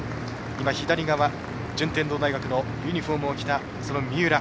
左側、順天堂大学のユニフォームを着た三浦。